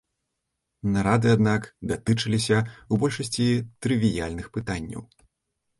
Нарады, аднак, датычыліся ў большасці трывіяльных пытанняў.